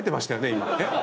今。